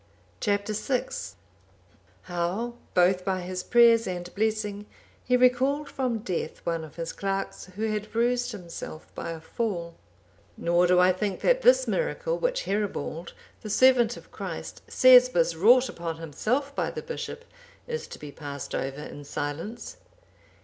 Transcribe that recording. Chap. VI. How, both by his prayers and blessing, he recalled from death one of his clerks, who had bruised himself by a fall. Nor do I think that this miracle, which Herebald,(788) the servant of Christ, says was wrought upon himself by the bishop, is to be passed over in silence.